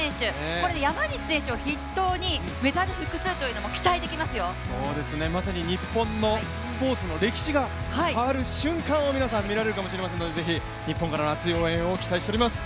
これ、山西選手を筆頭にメダル複数というのをまさに日本のスポーツの歴史が変わる瞬間を皆さん、見られるかもしれませんので皆さんぜひ日本からの熱い応援を期待しております。